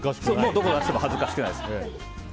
どこに出しても恥ずかしくないです。